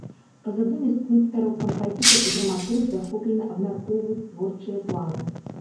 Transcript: Па задуме скульптараў кампазітар і драматург захоплена абмяркоўваюць творчыя планы.